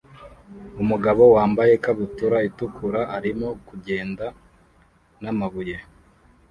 Umugabo wambaye ikabutura itukura arimo kugenda n'amabuye